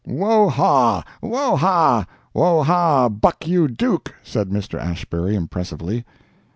"Woe haw, woe haw, woe haw Buck You Duke!" said Mr. Ashbury, impressively.